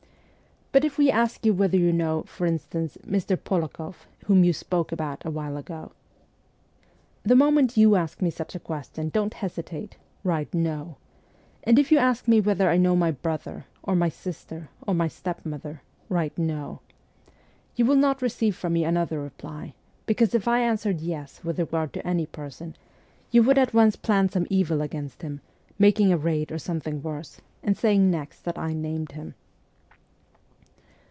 ' But if we ask you whether you know, for instance, Mr. Polak6ff, whom you spoke about awhile ago ?'' The moment you ask me such a question, don't hesitate : write " No." And if you ask me whether I know my brother, or my sister, or my stepmother, write "No." You will not receive from me another ST. PETERSBURG 131 reply : because if I answered " Yes " with regard to any person, you would at once plan some evil against him, making a raid or something worse, and saying next that I named him.'